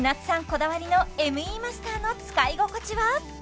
こだわりのＭＥマスターの使い心地は？